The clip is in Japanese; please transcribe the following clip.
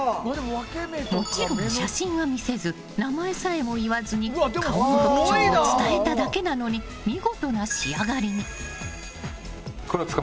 もちろん写真は見せず名前さえも言わずに顔の特徴を伝えただけなのに見事な仕上がりに！